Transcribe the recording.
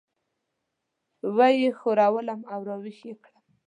وه یې ښورولم او راويښ یې کړم.